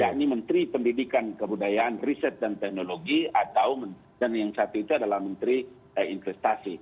yakni menteri pendidikan kebudayaan riset dan teknologi dan yang satu itu adalah menteri investasi